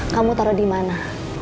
kamu taruh dimana